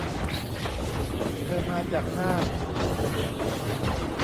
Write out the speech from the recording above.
เธอมาจากน่าน